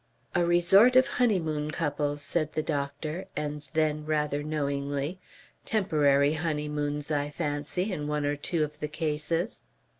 "A resort, of honeymoon couples," said the doctor, and then rather knowingly: "Temporary honeymoons, I fancy, in one or two of the cases."